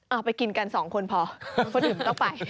เอาไปกินกันสองคนพอคนอื่นต้องไป